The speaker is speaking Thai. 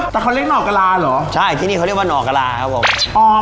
แต่เขาเรียกหน่อกะลาเหรอใช่ที่นี่เขาเรียกว่าห่อกะลาครับผม